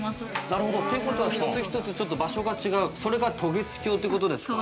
◆なるほど、ということは一つ一つ場所が違うそれが渡月橋ということですか。